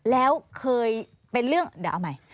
แล้วเคยเป็นเรื่องเดี๋ยวเอาใหม่